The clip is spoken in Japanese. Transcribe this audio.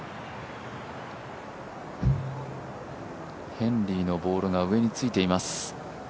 ヘンリーのボールが上についています。